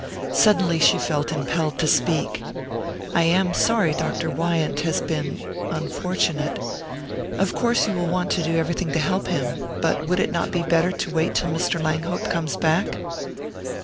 Suddenly she felt impelled to speak "I am sorry Dr. Wyant has been unfortunate. Of course you will want to do everything to help him; but would it not be better to wait till Mr. Langhope comes back?"